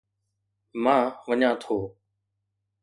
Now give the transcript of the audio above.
مان وڃان ٿو.